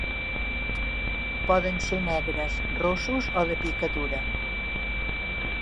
Poden ser negres, rossos o de picadura.